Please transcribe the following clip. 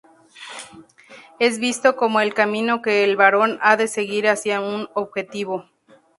Es visto como el camino que el varón ha de seguir hacia un objetivo.